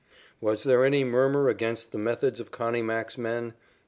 Was there any murmur against the methods of Connie Mack's men?